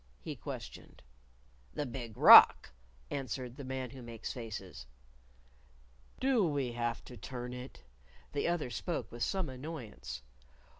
he questioned. "The Big Rock," answered the Man Who Makes Faces. "Do we have to turn it?" The other spoke with some annoyance.